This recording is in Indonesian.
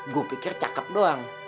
gue pikir cakep doang